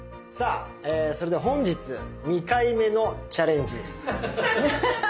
さあそれでは本日２回目のチャレンジです。